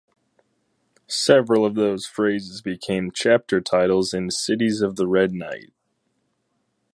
Several of those phrases became chapter titles in "Cities of the Red Night".